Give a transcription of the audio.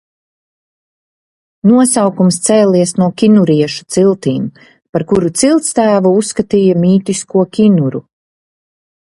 Nosaukums cēlies no kinuriešu ciltīm, par kuru ciltstēvu uzskatīja mītisko Kinuru.